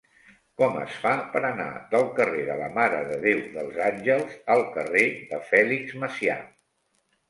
Com es fa per anar del carrer de la Mare de Déu dels Àngels al carrer de Fèlix Macià?